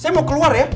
saya mau keluar ya